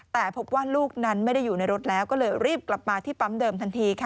แต่พบว่าลูกนั้นไม่ได้อยู่ในรถแล้วก็เลยรีบกลับมาที่ปั๊มเดิมทันทีค่ะ